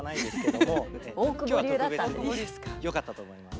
今日は特別によかったと思います。